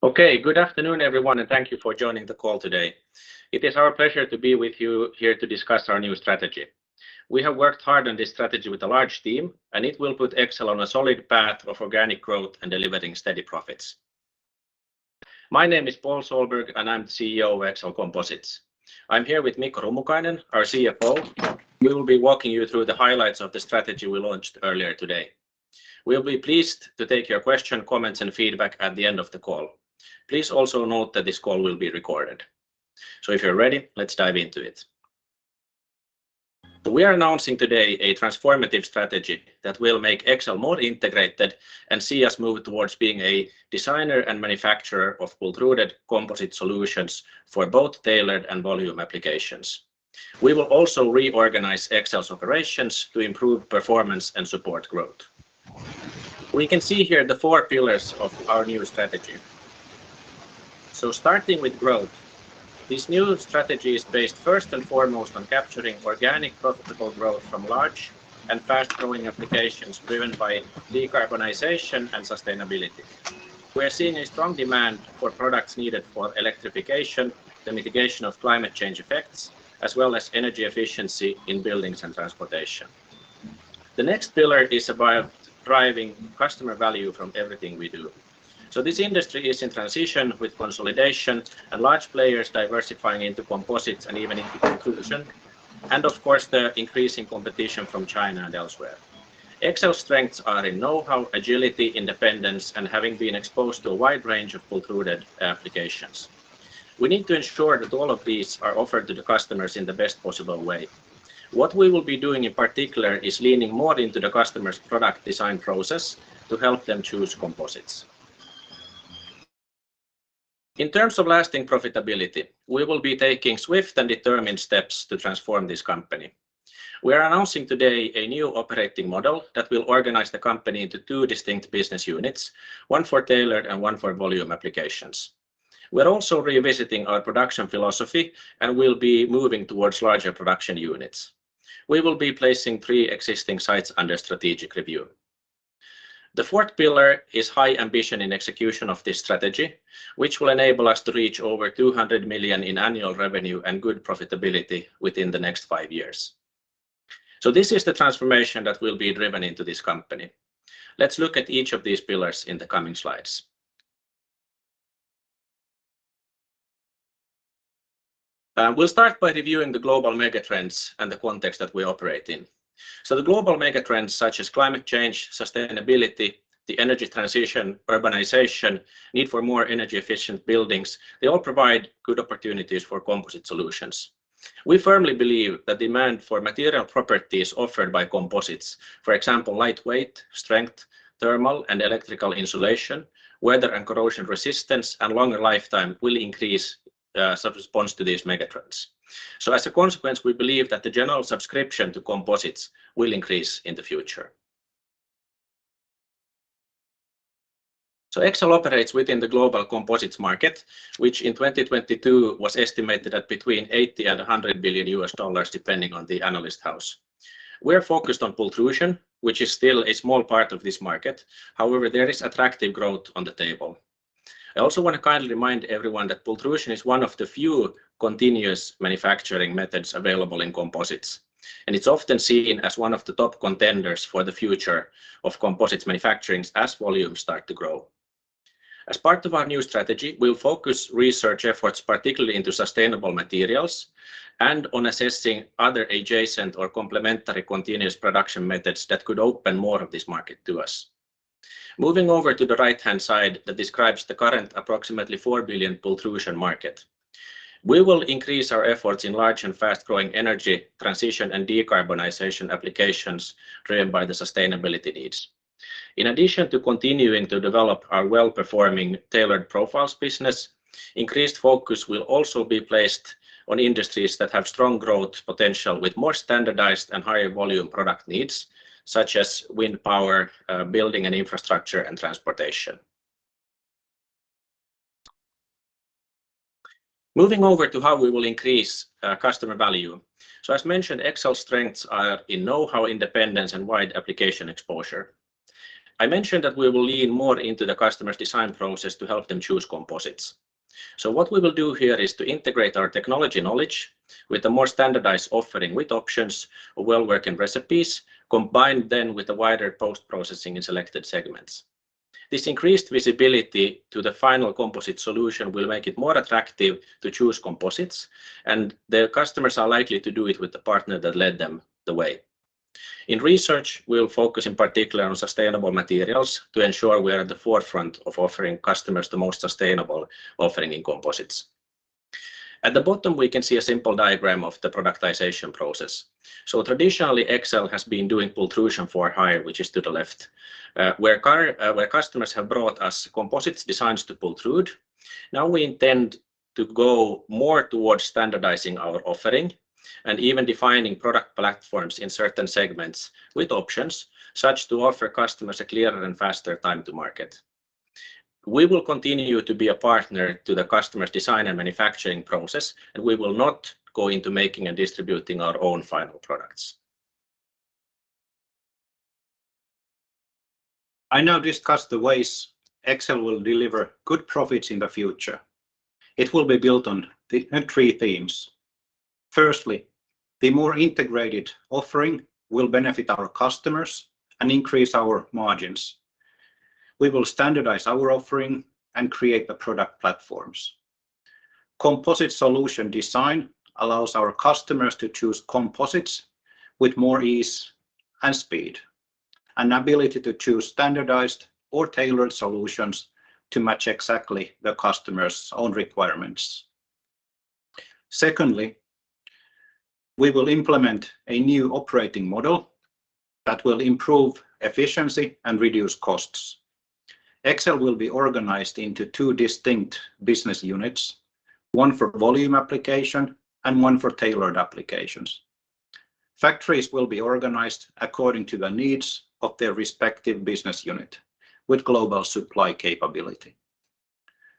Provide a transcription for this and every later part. Okay, good afternoon, everyone, and thank you for joining the call today. It is our pleasure to be with you here to discuss our new strategy. We have worked hard on this strategy with a large team, and it will put Exel on a solid path of organic growth and delivering steady profits. My name is Paul Sohlberg, and I'm the CEO of Exel Composites. I'm here with Mikko Rummukainen, our CFO. We will be walking you through the highlights of the strategy we launched earlier today. We'll be pleased to take your question, comments, and feedback at the end of the call. Please also note that this call will be recorded. So if you're ready, let's dive into it. We are announcing today a transformative strategy that will make Exel more integrated and see us move towards being a designer and manufacturer of pultruded composite solutions for both tailored and volume applications. We will also reorganize Exel's operations to improve performance and support growth. We can see here the four pillars of our new strategy. So starting with growth, this new strategy is based first and foremost on capturing organic, profitable growth from large and fast-growing applications driven by decarbonization and sustainability. We are seeing a strong demand for products needed for electrification, the mitigation of climate change effects, as well as energy efficiency in buildings and transportation. The next pillar is about driving customer value from everything we do. So this industry is in transition with consolidation and large players diversifying into composites and even into pultrusion, and of course, the increasing competition from China and elsewhere. Exel's strengths are in know-how, agility, independence, and having been exposed to a wide range of pultruded applications. We need to ensure that all of these are offered to the customers in the best possible way. What we will be doing, in particular, is leaning more into the customer's product design process to help them choose composites. In terms of lasting profitability, we will be taking swift and determined steps to transform this company. We are announcing today a new operating model that will organize the company into two distinct business units: one for tailored and one for volume applications. We're also revisiting our production philosophy and will be moving towards larger production units. We will be placing three existing sites under strategic review. The fourth pillar is high ambition in execution of this strategy, which will enable us to reach over 200 million in annual revenue and good profitability within the next five years. So this is the transformation that will be driven into this company. Let's look at each of these pillars in the coming slides. We'll start by reviewing the global megatrends and the context that we operate in. So the global megatrends, such as climate change, sustainability, the energy transition, urbanization, need for more energy-efficient buildings, they all provide good opportunities for composite solutions. We firmly believe that demand for material properties offered by composites, for example, lightweight, strength, thermal and electrical insulation, weather and corrosion resistance, and longer lifetime, will increase, as a response to these megatrends. So as a consequence, we believe that the general subscription to composites will increase in the future. Exel operates within the global composites market, which in 2022 was estimated at between $80 billion and $100 billion, depending on the analyst house. We're focused on pultrusion, which is still a small part of this market. However, there is attractive growth on the table. I also want to kindly remind everyone that pultrusion is one of the few continuous manufacturing methods available in composites, and it's often seen as one of the top contenders for the future of composites manufacturing as volumes start to grow. As part of our new strategy, we'll focus research efforts, particularly into sustainable materials and on assessing other adjacent or complementary continuous production methods that could open more of this market to us. Moving over to the right-hand side that describes the current approximately $4 billion pultrusion market. We will increase our efforts in large and fast-growing energy transition and decarbonization applications driven by the sustainability needs. In addition to continuing to develop our well-performing tailored profiles business, increased focus will also be placed on industries that have strong growth potential with more standardized and higher volume product needs, such as wind power, building and infrastructure, and transportation. Moving over to how we will increase customer value. So as mentioned, Exel's strengths are in know-how, independence, and wide application exposure. I mentioned that we will lean more into the customer's design process to help them choose composites. So what we will do here is to integrate our technology knowledge with a more standardized offering, with options or well-working recipes, combined then with a wider post-processing in selected segments. This increased visibility to the final composite solution will make it more attractive to choose composites, and the customers are likely to do it with the partner that led them the way. In research, we'll focus in particular on sustainable materials to ensure we are at the forefront of offering customers the most sustainable offering in composites. At the bottom, we can see a simple diagram of the productization process. So traditionally, Exel has been doing pultrusion for hire, which is to the left, where customers have brought us composites designs to pultrude. Now, we intend to go more towards standardizing our offering and even defining product platforms in certain segments with options, such to offer customers a clearer and faster time to market. We will continue to be a partner to the customer's design and manufacturing process, and we will not go into making and distributing our own final products. I now discuss the ways Exel will deliver good profits in the future. It will be built on the three themes. Firstly, the more integrated offering will benefit our customers and increase our margins. We will standardize our offering and create the product platforms. Composite solution design allows our customers to choose composites with more ease and speed, and ability to choose standardized or tailored solutions to match exactly the customer's own requirements. Secondly, we will implement a new operating model that will improve efficiency and reduce costs. Exel will be organized into two distinct business units: one for volume application and one for tailored applications. Factories will be organized according to the needs of their respective business unit with global supply capability.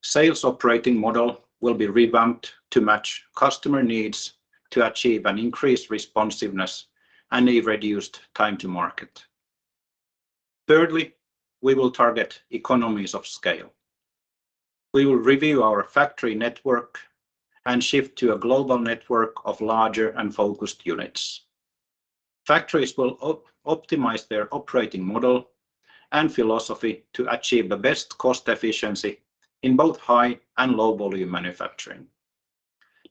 Sales operating model will be revamped to match customer needs to achieve an increased responsiveness and a reduced time to market. Thirdly, we will target economies of scale. We will review our factory network and shift to a global network of larger and focused units. Factories will optimize their operating model and philosophy to achieve the best cost efficiency in both high and low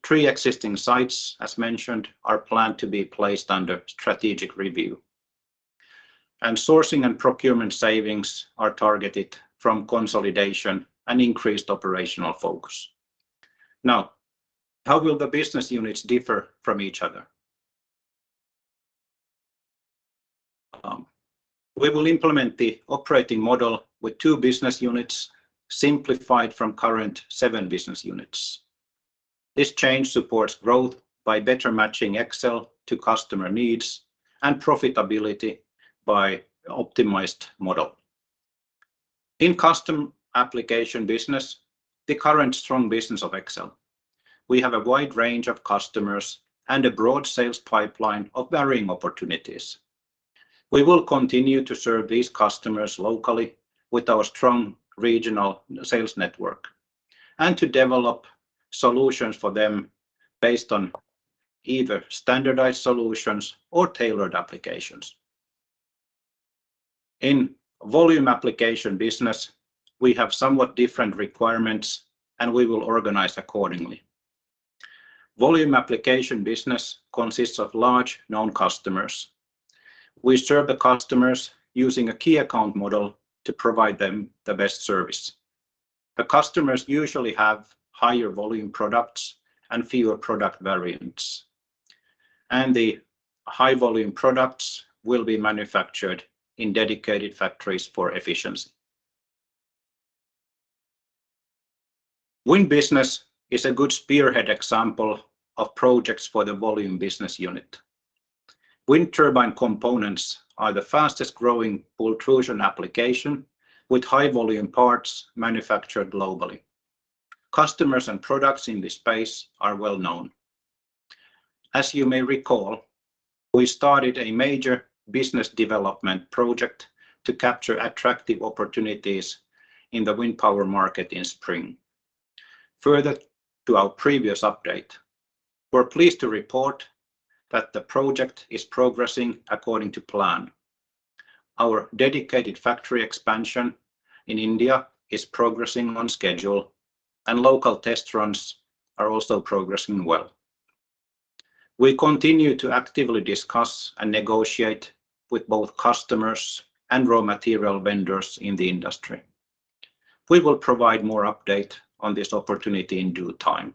volume manufacturing. Three existing sites, as mentioned, are planned to be placed under strategic review, and sourcing and procurement savings are targeted from consolidation and increased operational focus. Now, how will the business units differ from each other? We will implement the operating model with two business units simplified from current seven business units. This change supports growth by better matching Exel to customer needs, and profitability by optimized model. In custom application business, the current strong business of Exel, we have a wide range of customers and a broad sales pipeline of varying opportunities. We will continue to serve these customers locally with our strong regional sales network, and to develop solutions for them based on either standardized solutions or tailored applications. In volume application business, we have somewhat different requirements, and we will organize accordingly. Volume application business consists of large, known customers. We serve the customers using a key account model to provide them the best service. The customers usually have higher volume products and fewer product variants, and the high volume products will be manufactured in dedicated factories for efficiency. Wind business is a good spearhead example of projects for the volume business unit. Wind turbine components are the fastest growing pultrusion application, with high volume parts manufactured globally. Customers and products in this space are well known. As you may recall, we started a major business development project to capture attractive opportunities in the wind power market in spring. Further to our previous update, we're pleased to report that the project is progressing according to plan. Our dedicated factory expansion in India is progressing on schedule, and local test runs are also progressing well. We continue to actively discuss and negotiate with both customers and raw material vendors in the industry. We will provide more update on this opportunity in due time.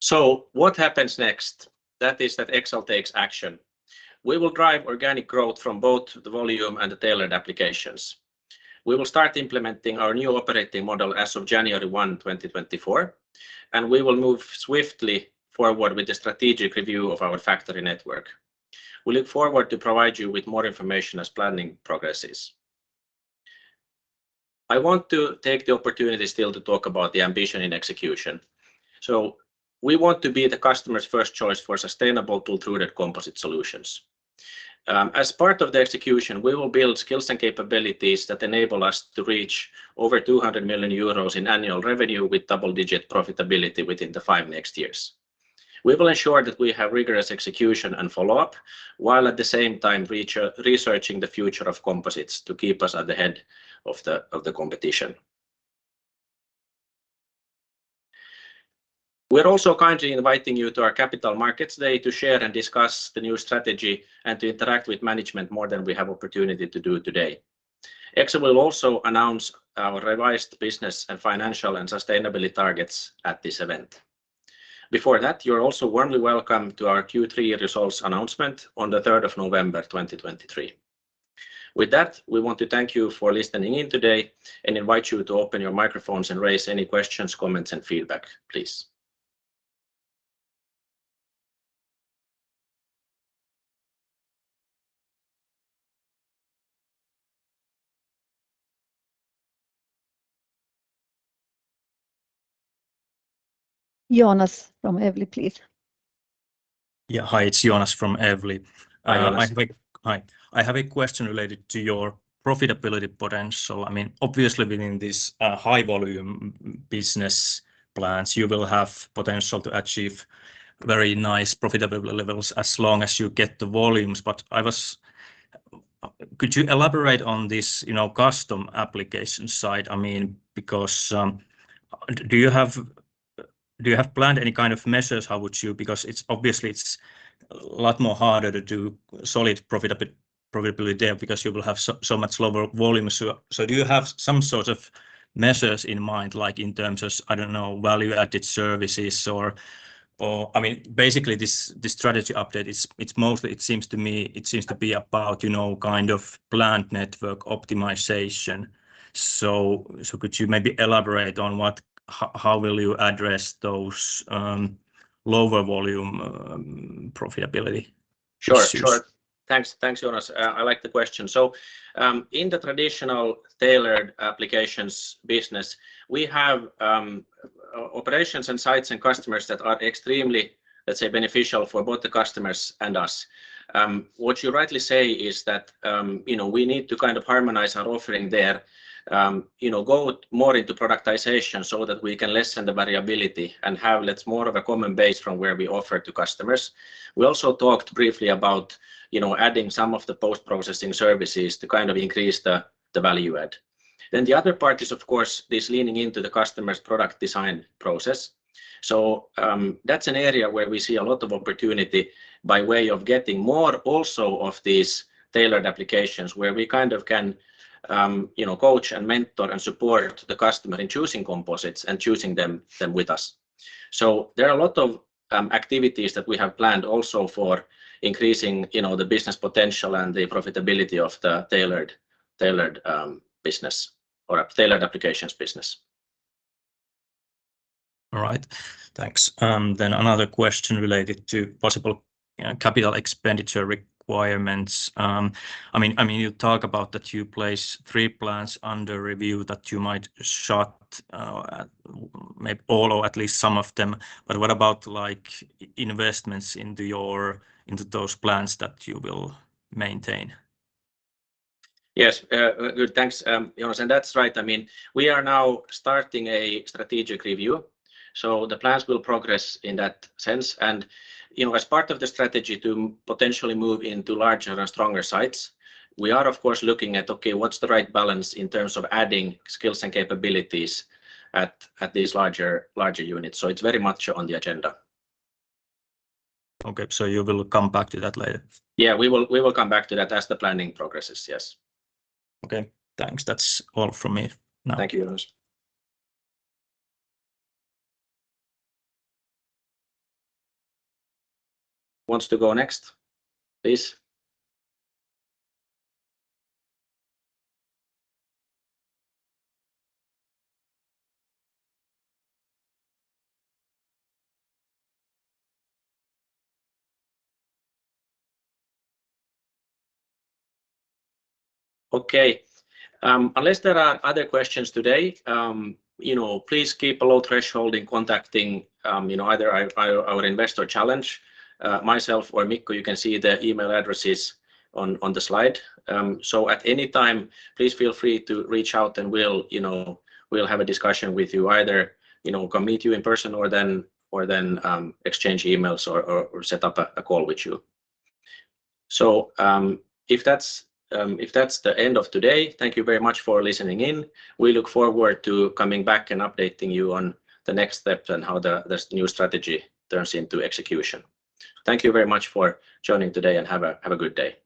So what happens next? That is that Exel takes action. We will drive organic growth from both the volume and the tailored applications. We will start implementing our new operating model as of January 1, 2024, and we will move swiftly forward with the strategic review of our factory network. We look forward to provide you with more information as planning progresses. I want to take the opportunity still to talk about the ambition and execution. So we want to be the customer's first choice for sustainable pultruded composite solutions. As part of the execution, we will build skills and capabilities that enable us to reach over 200 million euros in annual revenue with double-digit profitability within the five next years. We will ensure that we have rigorous execution and follow-up, while at the same time researching the future of composites to keep us at the head of the competition. We're also kindly inviting you to our Capital Markets Day to share and discuss the new strategy and to interact with management more than we have opportunity to do today. Exel will also announce our revised business, and financial, and sustainability targets at this event. Before that, you're also warmly welcome to our Q3 results announcement on the third of November 2023. With that, we want to thank you for listening in today and invite you to open your microphones and raise any questions, comments, and feedback, please. Joonas from Evli, please. Yeah. Hi, it's Joonas from Evli. I have a question related to your profitability potential. I mean, obviously, within this high volume business plans, you will have potential to achieve very nice profitability levels as long as you get the volumes. But could you elaborate on this, you know, custom application side? I mean, because do you have planned any kind of measures? How would you... Because it's obviously it's a lot more harder to do solid profitability there because you will have so much lower volumes. So do you have some sort of measures in mind, like in terms of, I don't know, value-added services or... I mean, basically, this strategy update, it's mostly it seems to me it seems to be about, you know, kind of plant network optimization. So, could you maybe elaborate on how you will address those lower volume profitability? Sure, sure. Thanks. Thanks, Joonas. I like the question. So, in the traditional tailored applications business, we have operations and sites and customers that are extremely, let's say, beneficial for both the customers and us. What you rightly say is that, you know, we need to kind of harmonize our offering there, you know, go more into productization so that we can lessen the variability and have, let's more of a common base from where we offer to customers. We also talked briefly about, you know, adding some of the post-processing services to kind of increase the value add. Then the other part is, of course, this leaning into the customer's product design process. So, that's an area where we see a lot of opportunity by way of getting more also of these tailored applications, where we kind of can, you know, coach and mentor and support the customer in choosing composites and choosing them with us. So there are a lot of activities that we have planned also for increasing, you know, the business potential and the profitability of the tailored business or tailored applications business. All right. Thanks. Then another question related to possible, you know, capital expenditure requirements. I mean, I mean, you talk about that you place three plants under review that you might shut, maybe all or at least some of them. But what about, like, investments into your, into those plants that you will maintain? Yes. Good. Thanks, Joonas. And that's right. I mean, we are now starting a strategic review, so the plans will progress in that sense. And, you know, as part of the strategy to potentially move into larger and stronger sites, we are of course looking at, okay, what's the right balance in terms of adding skills and capabilities at these larger units? So it's very much on the agenda. Okay, so you will come back to that later? Yeah, we will, we will come back to that as the planning progresses. Yes. Okay. Thanks. That's all from me now. Thank you, Joonas. Wants to go next, please? Okay. Unless there are other questions today, you know, please keep a low threshold in contacting, you know, either our Investor Relations, myself or Mikko. You can see the email addresses on the slide. So at any time, please feel free to reach out, and we'll, you know, we'll have a discussion with you, either, you know, can meet you in person or then, or then, exchange emails or, or, or set up a call with you. So, if that's the end of today, thank you very much for listening in. We look forward to coming back and updating you on the next steps and how this new strategy turns into execution. Thank you very much for joining today, and have a good day. Thank you.